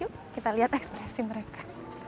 yuk kita lihat ekspresi mereka